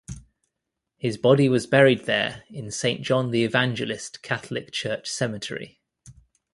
His body was buried there in Saint John the Evangelist Catholic Church Cemetery.